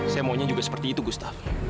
saya maunya juga seperti itu gustaf